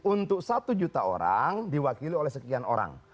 untuk satu juta orang diwakili oleh sekian orang